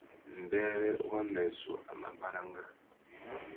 Mbêrê wamê zu a mà baranga.